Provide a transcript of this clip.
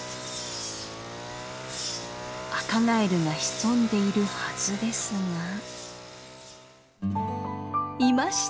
アカガエルが潜んでいるはずですがいました！